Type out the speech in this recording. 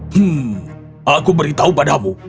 hmm aku beritahu padamu